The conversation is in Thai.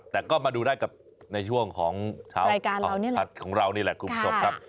แต่ก็มาดูได้กับในช่วงของเช้าผัดของเรานี่แหละคุณผู้ชมครับ